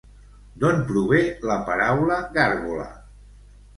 D'on prové la paraula gàrgola?